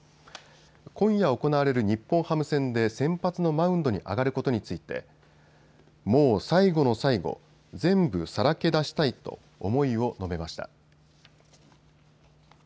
今夜行われる日本ハム戦で先発のマウンドに上がることについてもう最後の最後、全部さらけ出したいと思いを述べました。